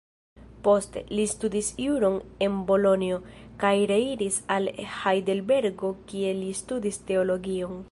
Poste, li studis juron en Bolonjo, kaj reiris al Hajdelbergo kie li studis teologion.